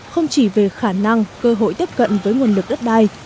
không chỉ về khả năng cơ hội tiếp cận với nguồn lực đất đai